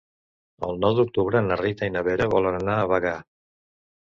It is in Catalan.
El nou d'octubre na Rita i na Vera volen anar a Bagà.